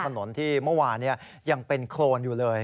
ถนนที่เมื่อวานยังเป็นโครนอยู่เลย